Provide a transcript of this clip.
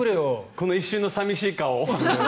この一瞬の寂しい顔。